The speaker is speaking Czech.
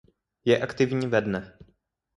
Je aktivní ve dne.